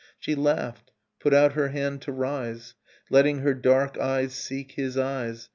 She laughed, put out her hand to rise. Letting her dark eyes seek his eyes.